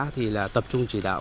thì là tập trung chỉ đạo